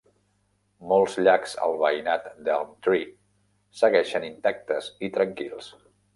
Molts llacs al veïnat d"Elm Tree segueixen intactes i tranquils.